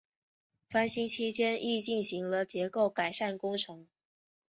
翻新期间亦进行了结构改善工程。